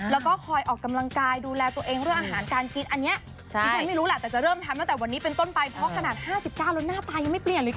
แล้วก็คอยออกกำลังกายดูแลตัวเองหรืออาหารการกินอันเนี้ย